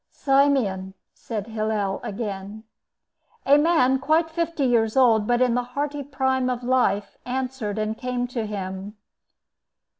"Simeon," said Hillel again. A man, quite fifty years old, but in the hearty prime of life, answered and came to him.